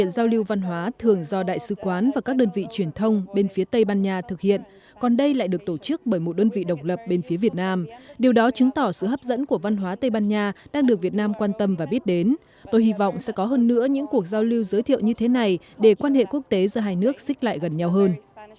giao lưu văn hóa thường do đại sứ quán và các đơn vị truyền thông bên phía tây ban nha thực hiện còn đây lại được tổ chức bởi một đơn vị độc lập bên phía việt nam điều đó chứng tỏ sự hấp dẫn của văn hóa tây ban nha đang được việt nam quan tâm và biết đến tôi hy vọng sẽ có hơn nữa những cuộc giao lưu giới thiệu như thế này để quan hệ quốc tế giữa hai nước xích lại gần nhau hơn